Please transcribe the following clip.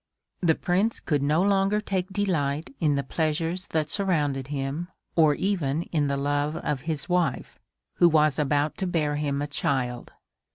The Prince could no longer take delight in the pleasures that surrounded him, or even in the love of his wife, who was about to bear him a child.